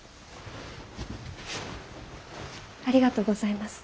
ありがとうございます。